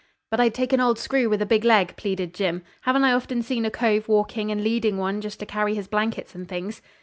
'But I'd take an old screw with a big leg,' pleaded Jim. 'Haven't I often seen a cove walking and leading one just to carry his blankets and things?'